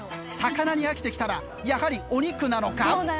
魚に飽きてきたらやはりお肉なのか。